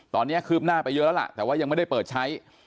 ตอนนี้คืบหน้าไปเยอะแล้วล่ะแต่ว่ายังไม่ได้เปิดใช้